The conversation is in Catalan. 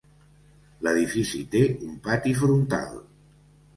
L'edifici té un pati frontal.